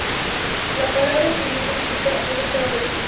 La palabra equilibrio implica un estado de equilibrio.